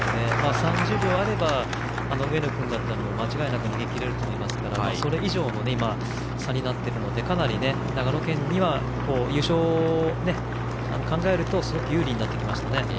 ３０秒あれば、上野君なら間違いなく逃げ切れると思いますからそれ以上の差になっているのでかなり長野県は優勝を考えるとすごく有利になりましたね。